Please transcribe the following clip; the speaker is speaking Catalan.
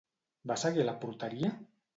Va seguir a la porteria?